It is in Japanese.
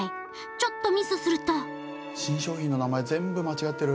ちょっとミスすると新商品の名前全部間違ってる。